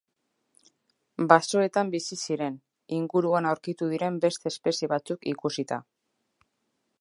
Basoetan bizi ziren, inguruan aurkitu diren beste espezie batzuk ikusita.